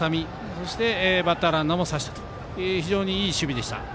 そして、バッターランナーも刺したという非常にいい守備でした。